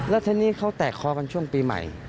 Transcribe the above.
แล้วทีนี้เขาแตกคอกันช่วงปีใหม่